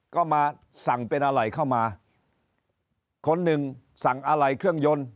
ก็มาสั่งเป็นอะไรเข้ามาคนหนึ่งสั่งอะไรเครื่องยนต์